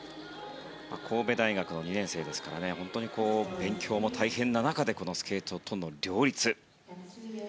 神戸大学の２年生ですから勉強も大変中でスケートとの両立。